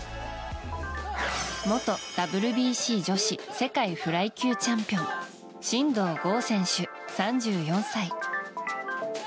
元ＷＢＣ女子世界フライ級チャンピオン真道ゴー選手、３４歳。